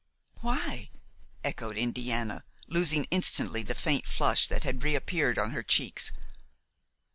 "Why?" echoed Indiana, losing instantly the faint flush that had reappeared on her cheeks.